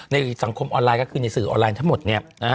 ในสังคมออนไลน์ก็คือในสื่อออนไลน์ทั้งหมดเนี่ย